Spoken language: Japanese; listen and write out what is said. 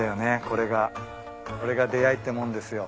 これが出合いってもんですよ。